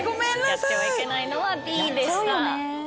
やってはいけないのはＢでした。